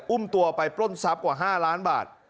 อุ้มตัวไปปล้นทรัพย์กว่า๕ล้านบาท